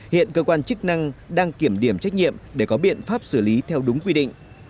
hiện cơ quan chức năng đang kiểm điểm trách nhiệm để có biện pháp xử lý theo đúng quy định